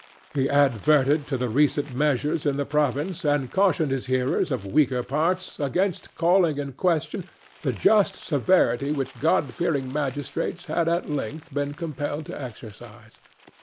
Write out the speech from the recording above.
He adverted to the recent measures in the province, and cautioned his hearers of weaker parts against calling in question the just severity which God fearing magistrates had at length been compelled to exercise.